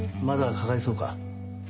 まだかかりそうか？